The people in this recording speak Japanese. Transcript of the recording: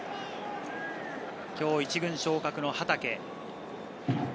今日１軍昇格の畠。